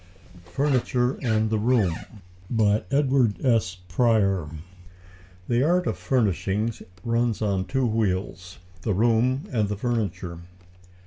FURNITURE AND THE ROOM The art of furnishing runs on two wheels the room and the furniture.